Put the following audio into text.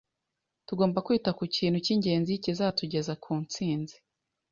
Tugomba kwita ku kintu cy’ingenzi kizatugeza ku ntsinzi